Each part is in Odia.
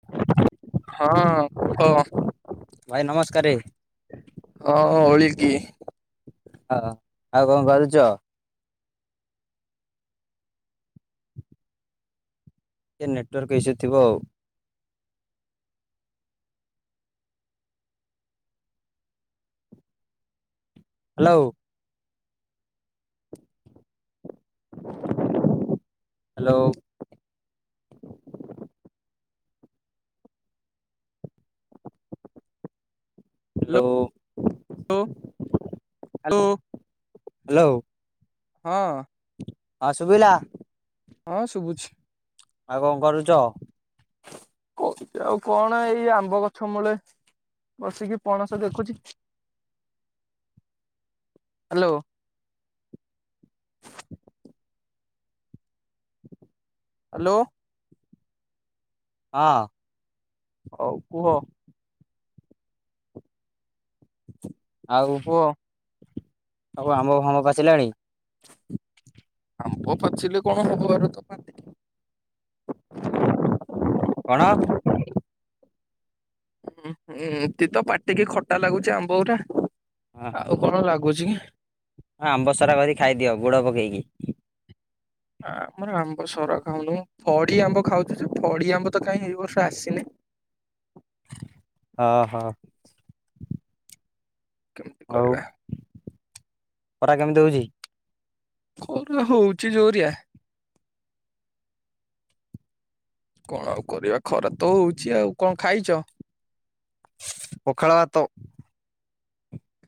ହଁ କ। ଭାଇ ନମସ୍କାରେ। ହଁ ଓଳିିକି। ହ ଆଉ କଣ କରୁଚ? ଟିକେ ନେଟୱାର୍କ ଇସୁ ଥିବ ଆଉ। Hello hello hello hello [inaudible] hello ହଁ ହଁ ଶୁଭିଲା? ହଁ ଶୁଭୁଛି। ଆଉ କଣ କରୁଚ? କରିବି ଆଉ କଣ, ଏଇ ଆମ୍ବ ଗଛ ମୂଳେ ବସିକି ପଣସ ଦେଖୁଛି। ହାଲୋ ହ୍ୟାଲୋ ହଁ ହଉ କୁହ। ଆଉ କୁହ। ସବୁ ଆମ୍ବ ଫାମ୍ବ ପାଚିଲାଣି? ଆମ୍ବ ପଚିଲେ କଣ ହବ ଆ [inaudible] କଣ? [unintelligible] ଉଁହୁଁ ଏତି ତ ପାଟିକି ଖଟା ଲାଗୁଛି ଆମ୍ବ ଗୁରା ହଁ ଆଉ କଣ ଲାଗୁଛି କି ହଁ ଆମ୍ବ ସରା କରି ଖାଇଦିଅ ଗୁଡ ପକେଇକି। ଆ ଆମର ଆମ୍ବ ସରା ଖାଉନୁ ଫଡି ଆମ୍ବ ଖାଉଛୁ ଯେ ଫଡି ଆମ୍ବ ତ କାଇଁ ଏ ବର୍ଷ ଆସିନି ଓ ହୋ [unintelligible] ଆଉ ଖରା କେମିତି ହେଉଛି? ଖରା ହଉଛିି ଜୋରିଆ କଣ ଆଉ କରିବା ଖରା ତ ହଉଛି। ଆଉ କଣ ଖାଇଛ? ପଖାଳ ଭାତ।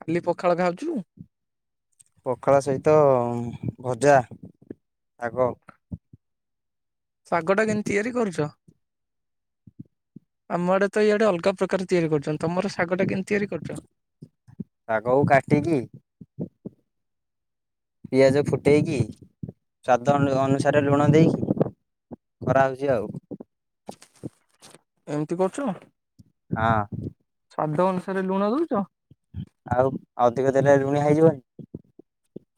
ଖାଲି ପଖାଳ ଖାଉଛୁ? ପଖାଳ ସହିତ ଭଜା ଶାଗ। ଶାଗ ଟା କେମିତି ତିଆରି କରୁଛ? ଆମ ଆଡେ ତ ଇଆଡେ ଅଲଗା ପ୍ରକାର ତିଆରି କରୁଛନ୍ତି ତମର ଶାଗ ଟା କେମିତି ତିଆରି କରୁଛ? ଶାଗକୁ କାଟିକି ପିଆଜ ଫୁଟେଇକି ସ୍ଵାଦ ଅନୁସାରେ ଲୁଣ ଦେଇକି କରା ହଉଛି ଆଉ ଏମିତି କରୁଛ ହଁ ଅଁ ସ୍ଵାଦ ଅନୁସାରେ ଲୁଣ ଦଉଛ? ଆଉ ଅଧିକ ଦେଲେ ଲୁଣିଆ ହେଇଯିବନି?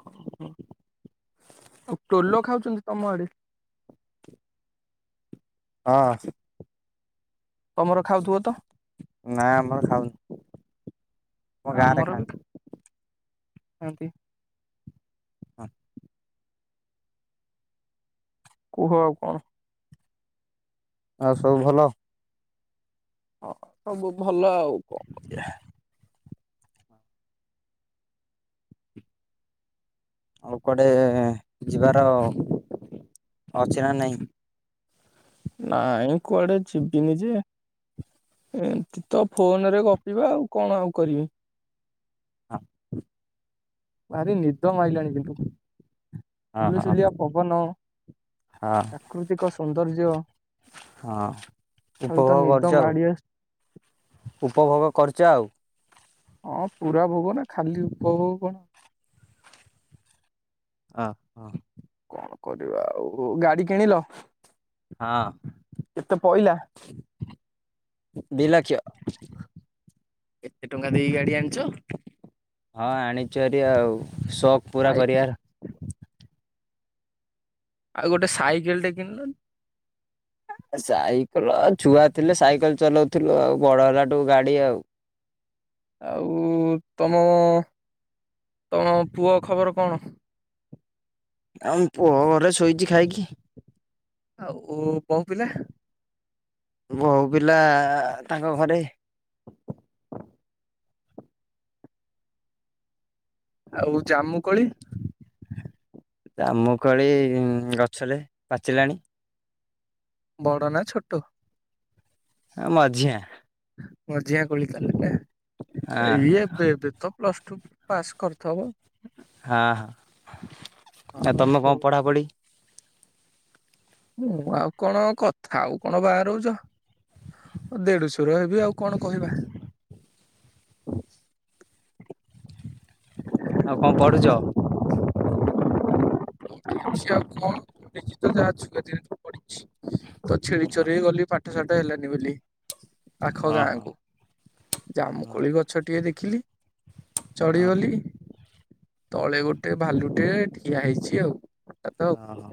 ଓହୋ। ଆଉ ଟୋଲ ଖାଉଛନ୍ତି ତମ ଆଡେ? ହଁ ତମର ଖାଉଥିବ ତ? ନାଁ ଆମର ଖାଉନୁ। ଆମ ଗାଁରେ ଆମର ବି ଖାଆନ୍ତି ଖାଆନ୍ତି। ହଁ। କୁହ ଆଉ କଣ? ଆଉ ସବୁ ଭଲ? ହଁ ସବୁ ଭଲ ଆଉ କଣ କରିବା। ଆଉ କୁଆଡେ ଯିବାର ଅଛି ନା ନାଇଁ? ନାଇଁ କୁଆଡେ ଯିବିନି ଯେ ଏମତି ତ ଫୋନ ରେ ଗପିବା ଆଉ କଣ ଆଉ କରିବି? ହଁ ଅଁ ଭାରି ନିଦ ମାଇଲାଣି କିନ୍ତୁ, ହଁ ହଁ। ସୁଲୁସୁଲିଆ ପବନ ହଁ ପ୍ରାକୃତିକ ସୌନ୍ଦର୍ଯ୍ୟ ହଁ ଖାଲି ତ ଉପଭୋଗ ନିଦ କରୁଛ ଆଉ। ମାଡି ଆସୁ ଉପଭୋଗ କରୁଛ ଆଉ। ହଁ ପୁରା ଭୋଗ ନା ଖାଲି ଉପଭୋଗ କଣ? ଓହୋ। କଣ କରିବା ଆଉ, ଗାଡି କିଣିଲ? ହଁ। କେତେ ପଇଲା? ଦି ଲକ୍ଷ। ଏତେ ଟଙ୍କା ଦେଇକି ଗାଡି ଆଣିଛ? ହଁ ଆଣିଛୁହାରି ଆଉ ଶୋକ୍ ପୁରା ଆଇ କରିବାର। ଆଉ ଗୋଟେ ସାଇକେଲ୍ ଟେ କିଣିଲୁନି? ସାଇକେଲ ଛୁଆ ଥିଲେ ସାଇକେଲ୍ ଚଲାଉଥିଲୁ ଆଉ। ବଡ ହେଲାଠୁ ଗାଡି ଆଉ। ଆଉ ତମ ତମ ପୁଅ ଖବର କଣ? ଆମ ପୁଅ ଘରେ ଶୋଇଛି ଖାଇକି। ଆଉ ବୋହୁ ପିଲା? ବୋଉ ପିଲା ତାଙ୍କ ଘରେ। ଆଉ ଜାମୁକୋଳି? ଆ ଜାମୁକୋଳି ଗଛରେ ପାଚିଲାଣି। ବଡ଼ ନା ଛୋଟ? ଆଁ ମଝିଆ। ମଝିଆ କୋଳି ତାହାଲେ ନା, ହଁ ଇଏ ଏବେ ଏବେ ତ ପ୍ଲସ ଟୁ। ପାସ୍ କରିଥବ? ହାଁ। ଓ ଆଉ ତମେ ହଉ କଣ ପଢାପଢି? ମୁଁ ଆଉ କଣ, କଥା ଆଉ କଣ ବାହାରଉଛ? ଦେଢୁଶୁର ହେବି ଆଉ କଣ କହିବା? [inaudible] ଆଉ କଣ ପଢୁଛ? ଛି ଆଉ କଣ ଯାହା [unintelligible] ପଢିଛି ତ ଛେଳି ହଁ ଚରେଇ ଗଲି ପାଠ ସାଠ ହେଲାନି ବୋଲି। ପାଖ ହଁ ଗାଁ ହଁ କୁ, ଜାମୁକୋଳି ଗଛ ଟିଏ ଦେଖିଲି ହଁ ଚଢିଗଲି ତଳେ ଗୋଟେ ଭାଲୁଟେ ଠିଆ ହେଇଛି। କି ଆଉ। ଆଉ ହଁ ହଁ।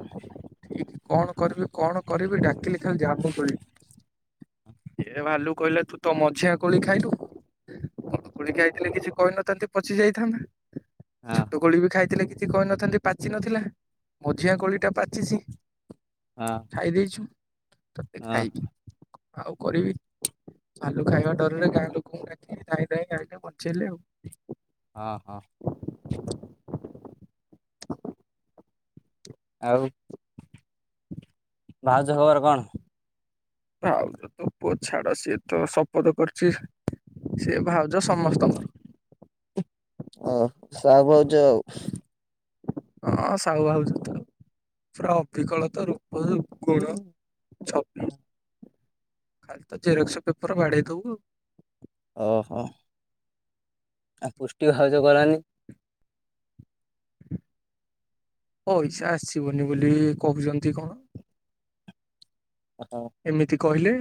କଣ କରିବି, କଣ କରିବି, ଡାକିଲି ଖାଲି ଜାମୁକୋଳି ଏ ଭାଲୁ କହିଲା ତୁ ତ ମଝିଆ କୋଳି ଖାଇଲୁ ବଡ କୋଳିଖାଇଥିଲେ କିଛି କହିନଥାନ୍ତି ପଚି ଯାଇଥାନ୍ତା। ହଁ। କୋଳିବି ଖାଇଥିଲେ କିଛି କହିନଥାନ୍ତି ପାଚି ନଥିଲା ମଝିଆ କୋଳିଟା ପାଚିଛି ହଁ ଖାଇଦେଇଛୁ ତତେ ଖାଇବି ହଁ ଆଉ କରିବି ଭାଲୁ ଖାଇବା ଡରରେ ଗାଁ ଲୋକଙ୍କୁ ଡାକିଲି ଧାଇଁ ଧାଇଁ ଧାଇଁ ବଞ୍ଚେଇଲେ ଆଉ। ହଁ ହଁ। [inaudible] ଆଉ ଭାଉଜ ଖବର କଣ? ଭାଉଛ ତୋ ପୁଅ ଛାଡ଼ ସିଏତ ଶପଥ କରଛି ସିଏ ଭାଉଜ ସମସ୍ତଙ୍କର। ଓ ସାହୁ ଭାଉଜ ଆଉ। ହଁ ସାହୁ ଭାଉଜତ ସିଏ ଅବିକଳତ ରୂପ ଗୁଣ ଛବି ଖାଲିତ ଜେରକ୍ସ ପେପର୍ ବାଡ଼େଇ ଦବୁ। ଓହୋ। ଆଉ ପୁଷ୍ଟି ଭାଉଜ ଗଲାନି। ପଇସା ଆସିିବନି ବୋଲି କହୁଚନ୍ତି କଣ। ମାଲୋ। ଏମିତି କହିଲେ।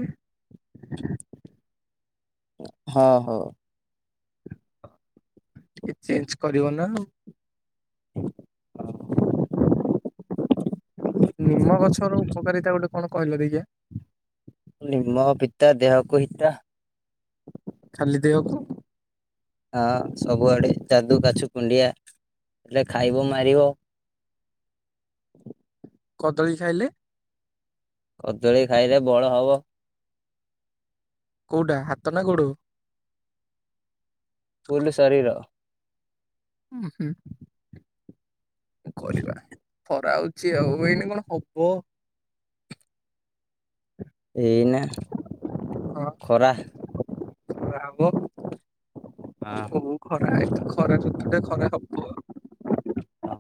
ହଁ ହଁ। ଏଚେଞ୍ଜ କରିବନା ଆଉ। [unintelligible] ନିମ ଗଛର ଉପକାରିତା ଗୋଟେ କଣ କହିଲ ଦେଖିଆ? ନିମ ପିତା ଦେହକୁ ହିତା। ଖାଲି ଦେହକୁ? ହଁ ସବୁଆଡ଼େ ଯାଦୁ କାଛୁ କୁଣ୍ଡିଆ ହେଲେ ଖାଇବ ମାରିବ। କଦଳୀ ଖାଇଲେ? କଦଳୀ ଖାଇଲେ ବଳ ହବ। କୋଉଟା ହାତ ନା ଗୋଡ଼? ଫୁଲ୍ ଶରୀର। ଉଁ ହୁଁ। କରିବା ଖରା ହଉଚି ଆଉ ଏଇନା କଣ ହବ। ଏଇନା ହଁ ଖରା ଖରା ହବ ହଁ। ହୋଉ ଖରା ଏ ଖରା ଋତୁଟା ଖରା ହବ। ହଁ।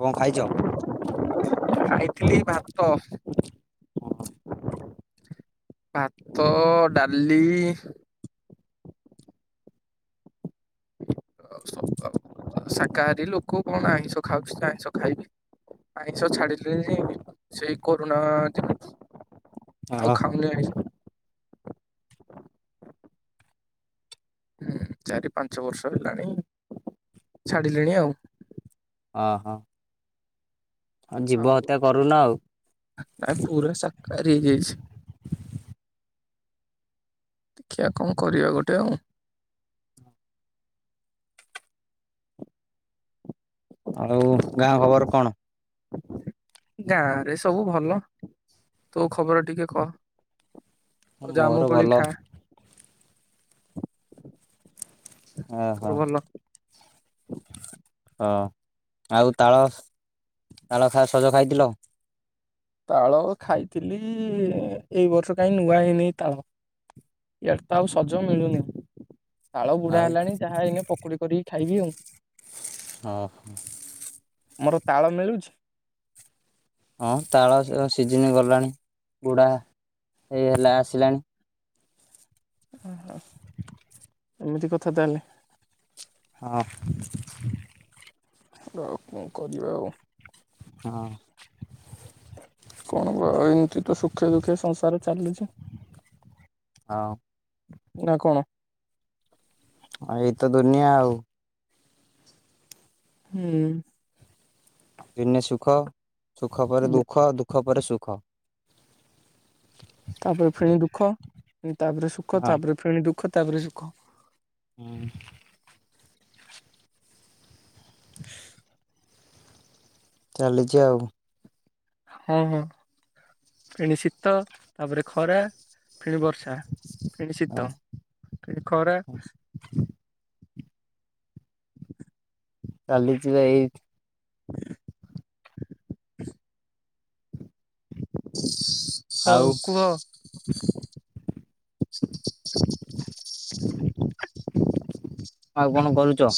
ଆଉ କଣ ଖାଇଚ? ଖାଇଥିଲି ଭାତ ଭାତ ଡ଼ାଲି ଆଉ ଶକ ଶାକାହାରି ଲୋକ କଣ ଆଇଁଷ ଖାଉଛିନା ଆଇଁଷ ଖାଇବି। ଆଇଁଷ ଛାଡ଼ିଲିଣି ସେଇ କରୋନା ଦିନଠୁ। ଆଉ ଓହୋ ଖାଉନି ଆଇଁଷ। ହୁଁ ଚାରି ପାଞ୍ଚ ବର୍ଷ ହେଲାଣି ଛାଡ଼ିଲିଣି ଆଉ। ଅଁ ହଁ। ଅଁ ଜୀବ ହତ୍ୟା କରୁନ ଆଉ। ଆ ପୁରା ସାକାହାରି ହେଇଯାଇଛି। ଦେଖିଆ କଣ କରିବା ଗୋଟେ ଆଉ। ଆଉ ଗାଁ ଖବର କଣ? ଗାଁରେ ସବୁ ଭଲ ତୋ ଖବର ଟିକେ କହ? ହଉ ଜାମୁ ମୋର କୋଳି ଭଲ ଖା ତୋର ଓହୋ। ଭଲ ହଁ ଆଉ ତାଳ ତାଳ ସ ସଜ ଖାଇଥିଲ? ତାଳ ଖାଇଥିଲି ଏଇ ବର୍ଷ କାହିଁ ନୂଆ ହେଇନି ତାଳ। ଇଆଡ ତ ଆଉ ସଜ ମିଳୁନି ତାଳ ବୁଢା ଆଉ ହେଲାଣି ଯାହା ଏଇନେ ପକୋଡି କରିକି ଖାଇବି ଆଉ। ହଁ ମୋର ତାଳ ମିଲୁଚି? ହଁ ତାଳ ସିଜିନ ଗଲାଣି ବୁଡ଼ା ଏଇ ହେଲା ଆସିଲାଣି। ଓହୋ ଏମିତି କଥା ତାହେଲେ। ହଁ ଉ କଣ କରିବା ଆଉ? ହଁ କଣ କ ଆ ଏମତି ତ ସୁଖେ ଦୁଃଖେ ସଂସାର ଚାଲୁଛି। ହଁ ନା କଣ? ହଁ ଏଇତ ଦୁନିଆ ଆଉ। ହୁଁ ଦିନେ ସୁଖ ସୁଖ ପରେ ଦୁଃଖ ଦୁଃଖ ପରେ ସୁଖ। [inaudible] ତାପରେ ଫେଣି ଦୁଃଖ ତାପରେ ସୁଖ ହଁ ତାପରେ ଫେଣି ଦୁଃଖ ତାପରେ ସୁଖ ହୁଁ [inaudible] ଚାଲିଛି ଆଉ ହଁ ହଁ ପେଣି ଶୀତ ତାପରେ ଖରା ଫେଣି ବର୍ଷା। ଫେଣି ଶୀତ ଫେଣି ଖରା ହ [inaudible] ଚାଲିଛି ତ ଏଇ [inaudible] ହଁ ଆଉ କୁହ ଆଉ କଣ କରୁଛ?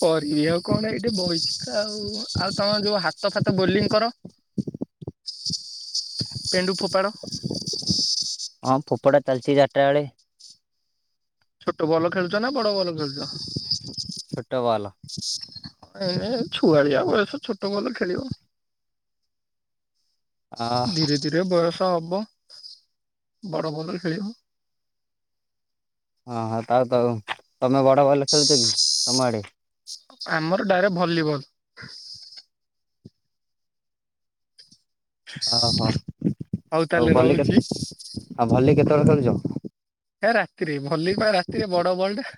କରିବି ଆଉ କଣ ଏଇଟି ବଇଚି ଆଉ ଆଉ ତମ ଯୋଉ ହାତ ଫାତ ବୋଲିଂ କର? ପେଣ୍ଡୁ ଫୋପାଡ଼। ହଁ ଫୋପଦା ଚାଲିଚି ଚାରଟା ବେଳେ। ଛୋଟ ବଲ ଖେଳୁଚ ନା ବଡ ବଲ ଖେଳୁଚ। ଛୋଟ ବଲ ଏ ଛୁଆଳିଆ ବୟସ ଛୋଟ ବଲ ଖେଳିବ। ଅ ଧୀରେ ଧୀରେ ବୟସ ହବ ବଡ ବଲ ଖେଳିବ। ହଁ ହଁ ଥାଉ ଥାଉ ତମେ ବଡ ବଲ ଖେଳୁଛ କି ତମ ଆଡେ? ଆମର ଡାଏରେ ଭଲିବଲ। ଓହୋ ହଉ ଆଉ ତାହେଲେ ଭଲି କେତେ ରହୁଛି ଆଉ ଭଲି କେତେବେଳେ ଖେଳୁଚ? ହେ ରାତିରେ ଭଲିପା ରାତିରେ ବଡ ବଲଟା।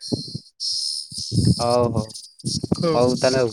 ହଉ ହଉ ହଉ ତାହେଲେ ଆଉ।